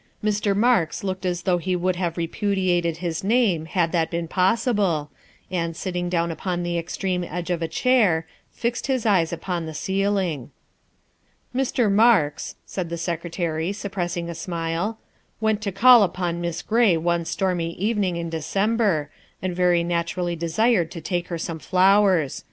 Mr. Marks looked as though he would have repudiated his name had that been possible, and, sitting down upon the extreme edge of a chair, fixed his eyes upon the ceiling. " Mr. Marks," said the Secretary, suppressing a smile, '' went to call upon Miss Gray one stormy evening in December, and very naturally desired to take her some flowers.